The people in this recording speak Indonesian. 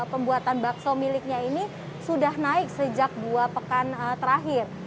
pembuatan bakso miliknya ini sudah naik sejak dua pekan terakhir